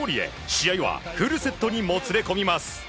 試合はフルセットにもつれ込みます。